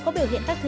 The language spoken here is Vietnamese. tu tu xình xình